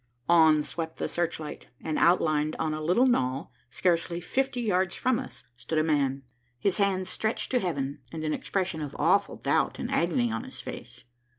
On swept the search light, and outlined on a little knoll scarcely fifty yards from us stood a man, his hands stretched to heaven, and an expression of awful doubt and agony on his face.